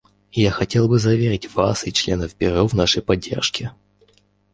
Я хотел бы заверить Вас и членов Бюро в нашей поддержке.